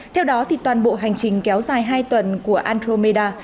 theo đó toàn bộ hành trình kéo dài hai tuần của andromeda